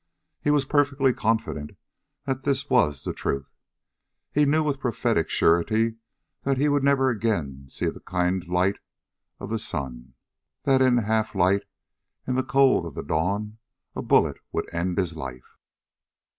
He was perfectly confident that this was the truth. He knew with prophetic surety that he would never again see the kind light of the sun, that in a half light, in the cold of the dawn, a bullet would end his life.